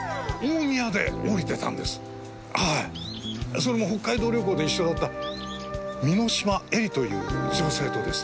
それも北海道旅行で一緒だった簑島絵里という女性とです。